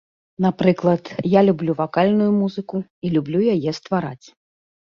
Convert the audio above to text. Напрыклад, я люблю вакальную музыку і люблю яе ствараць.